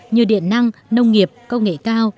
như điện năng nông nghiệp công nghệ cao